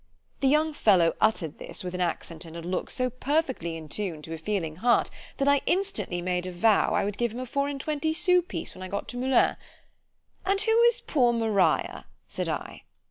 The young fellow utter'd this with an accent and a look so perfectly in tune to a feeling heart, that I instantly made a vow, I would give him a four and twenty sous piece, when I got to Moulins—— ——And who is poor Maria? said I.